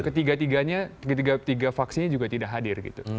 ketiga tiganya ketiga tiga vaksinnya juga tidak hadir gitu